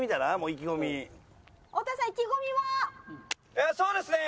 ええそうですね。